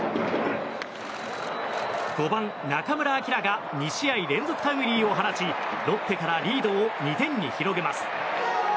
５番、中村晃が２試合連続タイムリーを放ちロッテからリードを２点に広げます。